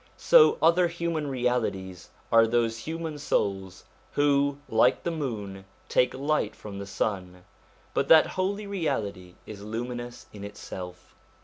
So other human realities are those souls who, like the moon, take light from the sun ; but that holy reality is lumi nous in himself.